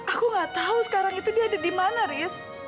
aku gak tahu sekarang itu dia ada di mana ris